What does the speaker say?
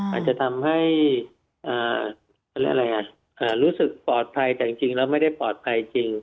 อาจจะทำให้รู้สึกปลอดภัยแต่จริงแล้วไม่ได้ปลอดภัยจริง